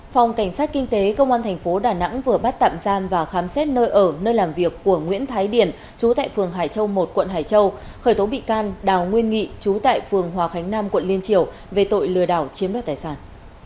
phòng cảnh sát kinh tế công an thành phố đà nẵng vừa bắt tạm giam và khám xét nơi ở nơi làm việc của nguyễn thái điển chú tại phường hải châu một quận hải châu khởi tố bị can đào nguyên nghị chú tại phường hòa khánh nam quận liên triều về tội lừa đảo chiếm đoạt tài sản